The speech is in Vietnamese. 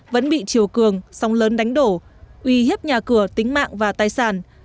vẫn bị triều cường sóng lớn đánh đổ uy hiếp nhà cửa tính mạng và tài sản